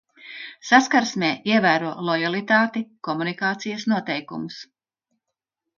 Saskarsmē ievēro lojalitāti, komunikācijas noteikumus.